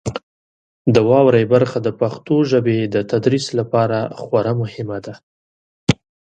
د واورئ برخه د پښتو ژبې د تدریس لپاره خورا مهمه ده.